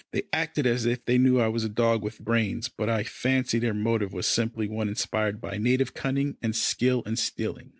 They acted as if they knew I was a dog with brains, but I fancy their motive was simply one inspired by native cunning and skill in stealing.